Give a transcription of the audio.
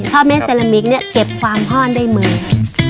เพราะเม็ดเซรามิกเนี่น่ะเก็บความฮ่อนได้เมลง